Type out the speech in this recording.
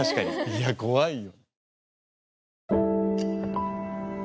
いや怖いよ。